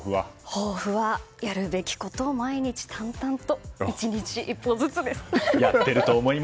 抱負はやるべきことを毎日淡々と１日１歩ずつです。